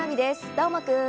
どーもくん。